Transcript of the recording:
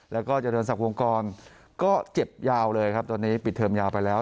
แล้วก็เจริญศักดิ์วงกรก็เจ็บยาวเลยครับตอนนี้ปิดเทอมยาวไปแล้ว